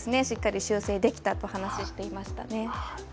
しっかり修正できたと話していましたね。